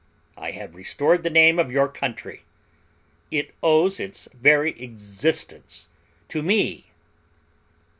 I have restored the name of your country. It owes its very existence to me."